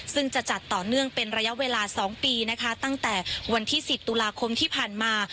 ซึ่งจะจัดต่อเนื่องเป็นระยะเวลา๒ปีนะคะตั้งแต่วันที่๑๐ตุลาคมที่ผ่านมา